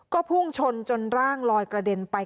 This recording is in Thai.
ก็พุ่งชนจนร่างลอยกระเด็นไป